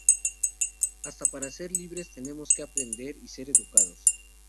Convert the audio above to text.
Hasta para ser libres tenemos que aprender y ser educados.